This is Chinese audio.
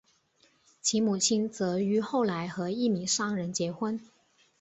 其母亲则于后来和一名商人结婚。